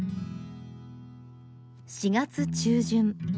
４月中旬。